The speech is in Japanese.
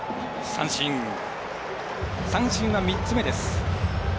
三振は３つ目です。